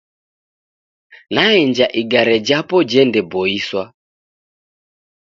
Naenja igare japo jendeboiswa.